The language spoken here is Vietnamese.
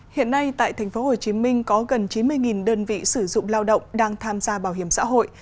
hiện nay tại tp hcm có gần chín mươi đơn vị sử dụng lao động đang tham gia bảo hiểm xã hội